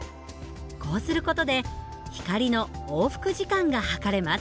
こうする事で光の往復時間が計れます。